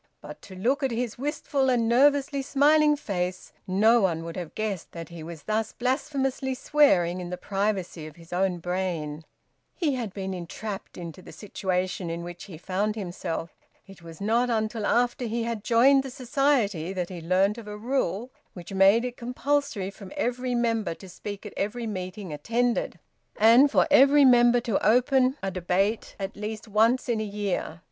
But to look at his wistful and nervously smiling face, no one would have guessed that he was thus blasphemously swearing in the privacy of his own brain. He had been entrapped into the situation in which he found himself. It was not until after he had joined the Society that he had learnt of a rule which made it compulsory for every member to speak at every meeting attended, and for every member to open a debate at least once in a year.